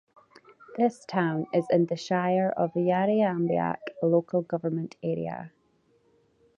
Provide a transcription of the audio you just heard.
The town is in the Shire of Yarriambiack local government area.